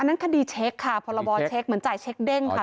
อันนั้นคดีเช็กค่ะพรบเช็กเหมือนจ่ายเช็กเด้งค่ะพี่อุ๋ย